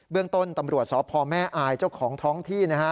เรื่องต้นตำรวจสพแม่อายเจ้าของท้องที่นะฮะ